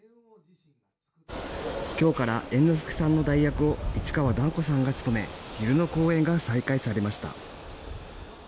今日から猿之助さんの代役を市川團子さんが務め昼の公演が再開されました。